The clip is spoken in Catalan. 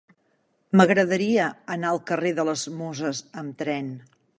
M'agradaria anar al carrer de les Muses amb tren.